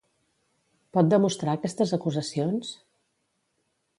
Pot demostrar aquestes acusacions?